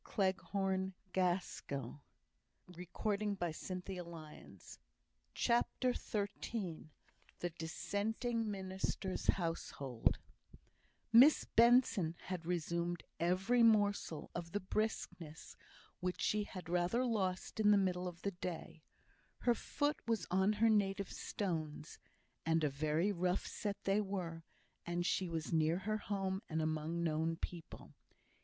Get the ostler's lantern, and look out the luggage." CHAPTER XIII The Dissenting Minister's Household Miss Benson had resumed every morsel of the briskness which she had rather lost in the middle of the day; her foot was on her native stones, and a very rough set they were, and she was near her home and among known people.